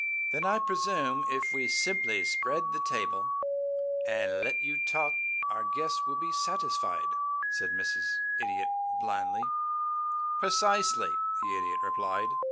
"Then I presume if we simply spread the table and let you talk our guests will be satisfied?" said Mrs. Idiot, blandly. "Precisely," the Idiot replied.